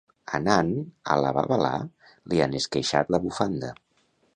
Anant a la babalà li han esqueixat la bufanda.